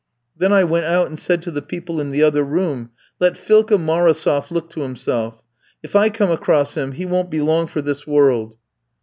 "Then I went out and said to the people in the other room, 'Let Philka Marosof look to himself. If I come across him he won't be long for this world.'